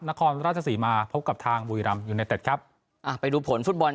นครราชศรีมาพบกับทางบุวีรำครับอ่าไปดูผลฟุตบอล